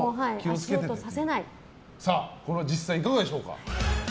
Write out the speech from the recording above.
これは実際いかがでしょうか。